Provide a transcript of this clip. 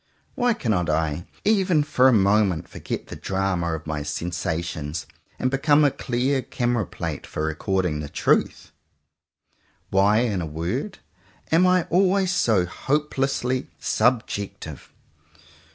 Why cannot I, even for a moment, forget the drama of my own sensations, and become a clear camera plate for recording the truth? Why, in a word, am I always so hopelessly subjective?